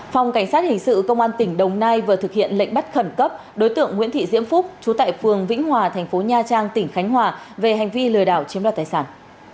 phòng cảnh sát hình sự công an tỉnh đồng nai vừa thực hiện lệnh bắt khẩn cấp đối tượng nguyễn thị diễm phúc chú tại phường vĩnh hòa thành phố nha trang tỉnh khánh hòa về hành vi lừa đảo chiếm đoạt tài sản